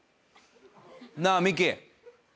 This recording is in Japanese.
なあミキ。